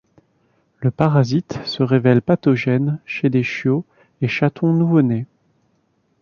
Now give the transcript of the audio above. Le parasite se révèle pathogène chez des chiots et chatons nouveau-nés.